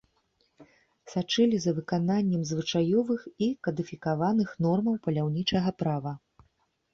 Сачылі за выкананнем звычаёвых і кадыфікаваных нормаў паляўнічага права.